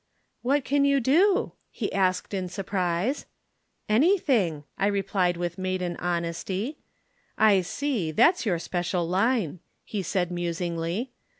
'What can you do?' he asked in surprise. 'Anything,' I replied with maiden modesty. 'I see, that's your special line,' he said musingly.